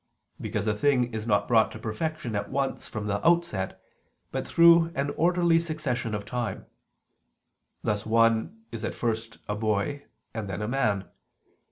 Because a thing is not brought to perfection at once from the outset, but through an orderly succession of time; thus one is at first a boy, and then a man.